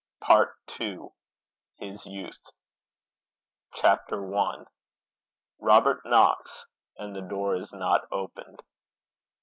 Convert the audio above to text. PART II. HIS YOUTH. CHAPTER I. ROBERT KNOCKS AND THE DOOR IS NOT OPENED.